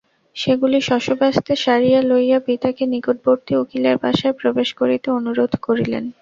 সেগুলি শশব্যস্তে সারিয়া লইয়া পিতাকে নিকটবর্তী উকিলের বাসায় প্রবেশ করিতে অনুরোধ করিলেন।